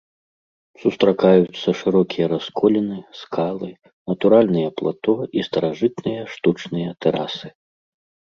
Сустракаюцца шырокія расколіны, скалы, натуральныя плато і старажытныя штучныя тэрасы.